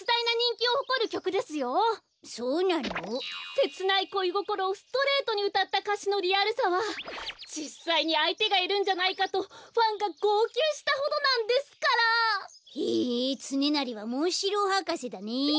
せつないこいごころをストレートにうたったかしのリアルさはじっさいにあいてがいるんじゃないかとファンがごうきゅうしたほどなんですから！へえつねなりはモンシローはかせだね。